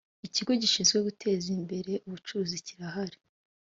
ikigo gishinzwe guteza imbere ubucuruzi kirahari.